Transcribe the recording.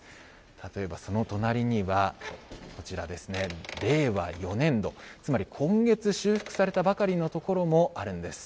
例えばその隣には、こちらですね、令和４年度、つまり今月修復されたばかりの所もあるんです。